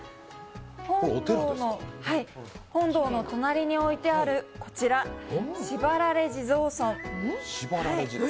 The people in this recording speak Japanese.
本堂の隣に置いてあるこちら、しばられ地蔵尊。